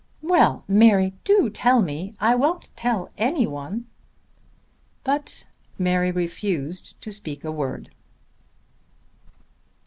"Well, Mary, do tell me. I won't tell any one." But Mary refused to speak a word.